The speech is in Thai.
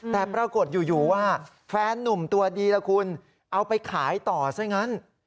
แต่ปรากฏอยู่ว่าแฟนนุ่มตัวดีล่ะคุณเอาไปขายต่อซะงั้น